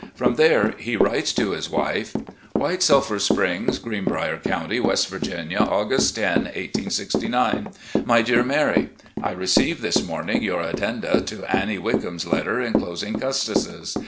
From there he writes to his wife : "White Sulphur Springs, " Greenbrier County, West Virginia, August 10, 1869. " My Dear Mary: I received this morning your addenda to Annie Wickham's letter inclosing Custis's.